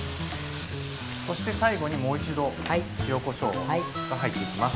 そして最後にもう一度塩こしょうが入っていきます。